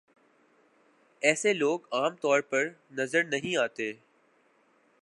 ایسے لوگ عام طور پر نظر نہیں آتے ۔